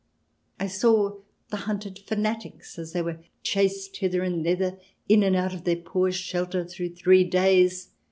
I saw the hunted fanatics as they were chased hither and thither, in and out of their poor shelter through three days.